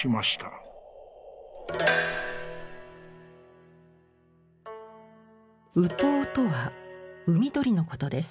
善知鳥とは海鳥のことです。